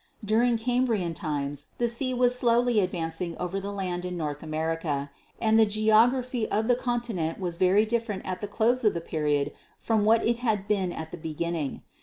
During Cambrian times the sea was slowly advancing over the land in North America, and the geography of the continent was very different at the close of the period from what it had been at the beginning.